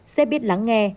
sẽ biết lắng nghe